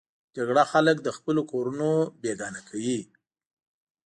جګړه خلک له خپلو کورونو بېګانه کوي